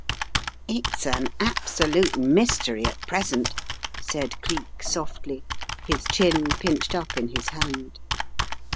"It's an absolute mystery at present/* said Cleek softly, his chin pinched up in his hand.